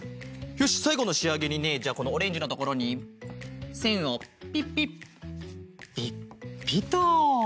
よしさいごのしあげにねじゃあこのオレンジのところにせんをピッピッピッピッと。